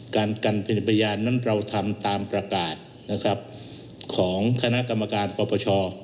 การกันเป็นพยานนั้นเราทำตามประกาศนะครับของคณะกรรมการปปช